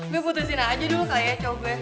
bi putusin aja dulu kali ya cowok gue